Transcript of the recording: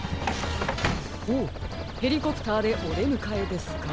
ほうヘリコプターでおでむかえですか？